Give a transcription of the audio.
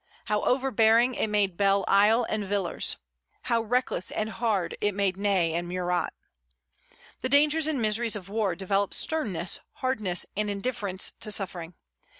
How overbearing it made Belle Isle and Villars! How reckless and hard it made Ney and Murat! The dangers and miseries of war develop sternness, hardness, and indifference to suffering.